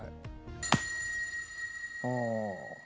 ああ。